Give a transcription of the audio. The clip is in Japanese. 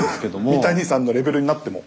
三谷さんのレベルになっても。